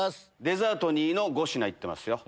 デザート２の５品行ってますよ。